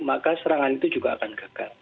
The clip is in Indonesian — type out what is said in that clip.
maka serangan itu juga akan gagal